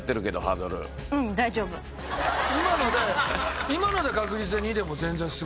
今ので今ので確率で２でも全然すごいよね。